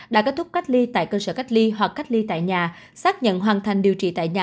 đã kết thúc cách ly tại cơ sở cách ly hoặc cách ly tại nhà xác nhận hoàn thành điều trị tại nhà